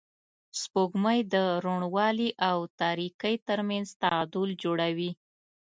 سپوږمۍ د روڼوالي او تاریکۍ تر منځ تعادل جوړوي